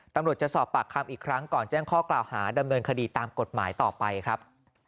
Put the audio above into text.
ตำรวจจะสอบปากคำอีกครั้งก่อนแจ้งข้อกล่าวหาดำเนินคดีตามกฎหมายต่อไปครับ